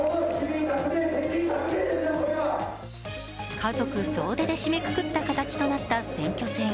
家族総出で締めくくった形となった選挙戦。